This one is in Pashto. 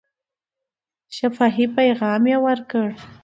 شفاهي پیغام یې ورکړ.